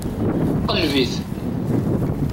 Ɣleb-it!